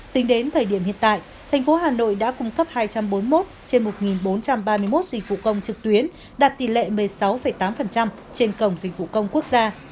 tính đến thời điểm hiện tại thành phố hà nội đã cung cấp hai trăm bốn mươi một trên một bốn trăm ba mươi một dịch vụ công trực tuyến đạt tỷ lệ một mươi sáu tám trên cổng dịch vụ công quốc gia